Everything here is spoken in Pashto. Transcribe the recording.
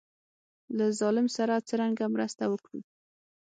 له ظالم سره څرنګه مرسته وکړو.